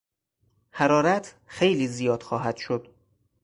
حرارت خیلی زیاد خواهد شد.